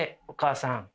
お母さん。